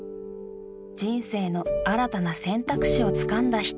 人生の新たな選択肢をつかんだ人。